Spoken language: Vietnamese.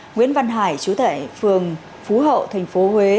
nguyễn văn hải chú thể phường phú hậu tp hcm